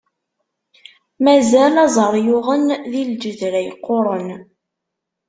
Mazal aẓar yuɣen di lǧedra yeqquṛen.